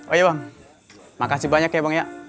oh ya bang makasih banyak ya bang ya